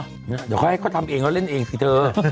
เดี๋ยวเขาให้เขาทำเองแล้วเล่นเองสิเธอ